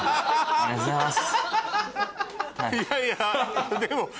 ありがとうございます。